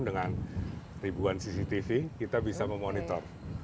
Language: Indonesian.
dengan ribuan cctv kita bisa memonitor